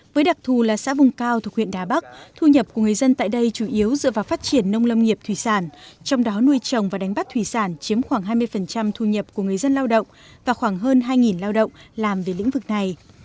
với đặc thù là xã vùng cao thuộc huyện đà bắc thu nhập của người dân tại đây chủ yếu dựa vào phát triển nông lâm nghiệp thủy sản trong đó nuôi trồng và đánh bắt thủy sản chiếm khoảng hai mươi thu nhập của người dân lao động và khoảng hơn hai lao động làm về lĩnh vực này